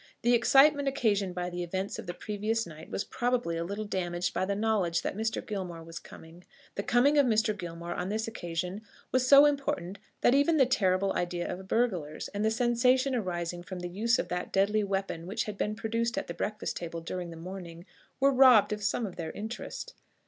The excitement occasioned by the events of the previous night was probably a little damaged by the knowledge that Mr. Gilmore was coming. The coming of Mr. Gilmore on this occasion was so important that even the terrible idea of burglars, and the sensation arising from the use of that deadly weapon which had been produced at the breakfast table during the morning, were robbed of some of their interest.